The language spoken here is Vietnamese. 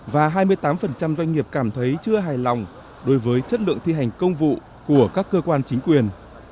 và hai mươi tám doanh nghiệp cảm thấy chưa hài lòng đối với chất lượng thi hành công vụ của các cơ quan chính quyền